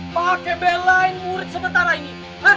pakai bela yang murid sebentar lagi